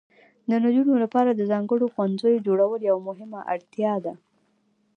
د نجونو لپاره د ځانګړو ښوونځیو جوړول یوه مهمه اړتیا ده.